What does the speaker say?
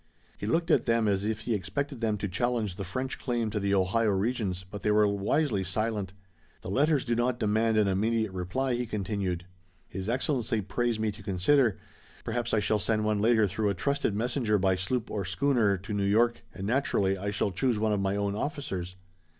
He looked at them as if he expected them to challenge the French claim to the Ohio regions, but they were wisely silent. "The letters do not demand an immediate reply," he continued. "His Excellency prays me to consider. Perhaps I shall send one later through a trusted messenger by sloop or schooner to New York, and naturally, I shall choose one of my own officers."